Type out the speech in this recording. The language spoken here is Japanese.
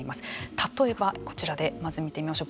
例えばこちらでまず見てみましょう。